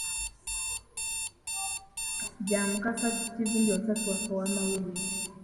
Bya Mukasa Kivumbi omusasi waffe ow'amawulire.